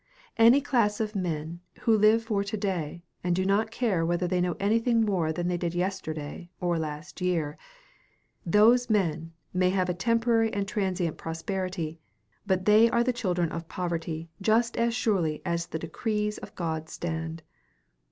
Any class of men who live for to day, and do not care whether they know anything more than they did yesterday or last year those men may have a temporary and transient prosperity, but they are the children of poverty just as surely as the decrees of God stand.